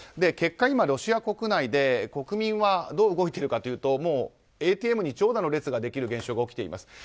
結果、ロシア国内で国民はどう動いてるかというとＡＴＭに長蛇の列ができる現象が起きています。